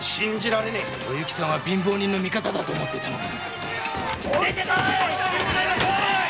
お幸さんは貧乏人の味方だと思っていたのに。